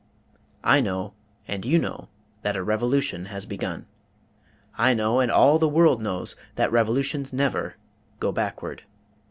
I know, and you know, that a revolution has begun. I know, and all the world knows, that revolutions never go backward.